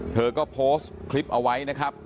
เธอก็โพสต์คลิปเอาไว้นะครับ